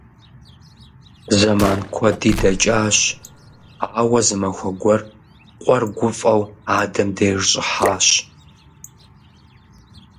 Зэман куэди дэкӀащ, ауэ зы махуэ гуэр къуэр гуфӀэу адэм деж щӀыхьащ.